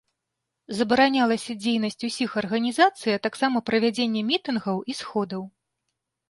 Забаранялася дзейнасць усіх арганізацый, а таксама правядзенне мітынгаў і сходаў.